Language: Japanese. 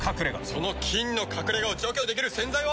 その菌の隠れ家を除去できる洗剤は。